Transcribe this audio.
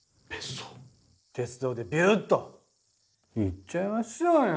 鉄道でビューッと行っちゃいましょうよ。